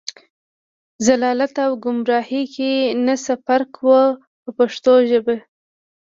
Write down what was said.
ضلالت او ګمراهۍ کې نه څه فرق و په پښتو ژبه.